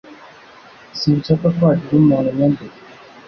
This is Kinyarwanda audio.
Sinshaka ko hagira umuntu unyandika